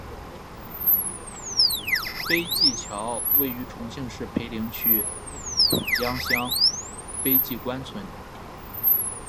碑记桥位于重庆市涪陵区蒲江乡碑记关村。